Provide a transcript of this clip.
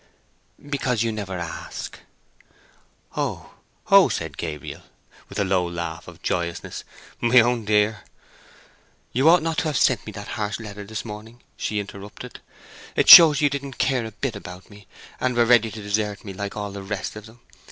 "Because you never ask." "Oh—Oh!" said Gabriel, with a low laugh of joyousness. "My own dear—" "You ought not to have sent me that harsh letter this morning," she interrupted. "It shows you didn't care a bit about me, and were ready to desert me like all the rest of them!